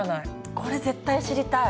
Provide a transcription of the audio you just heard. これ絶対知りたい！